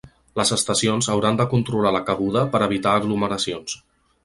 Les estacions hauran de controlar la cabuda per evitar aglomeracions.